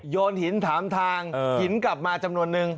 โยนหินถามทางหินกลับมาจำนวนนึง